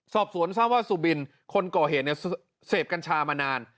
สอบสวนทราบว่าสุบินคนก่อเหตุเสพกัญชามานาน